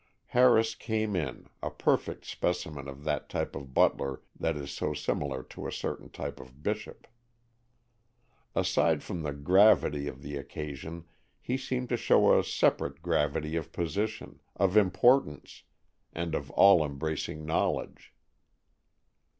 Harris came in, a perfect specimen of that type of butler that is so similar to a certain type of bishop. Aside from the gravity of the occasion, he seemed to show a separate gravity of position, of importance, and of all embracing knowledge.